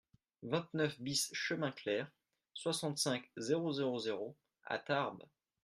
vingt-neuf BIS chemin Clair, soixante-cinq, zéro zéro zéro à Tarbes